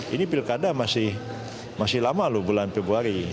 ini pilkada masih lama loh bulan februari